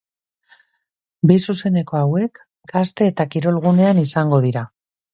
Bi zuzeneko hauek, gazte eta kirol gunean izango dira.